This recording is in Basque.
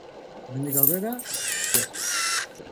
Hemendik aurrera, zer?